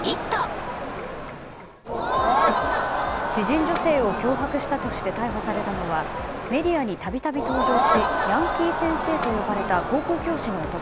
知人女性を脅迫したとして逮捕されたのはメディアに度々登場しヤンキー先生と呼ばれた高校教師の男。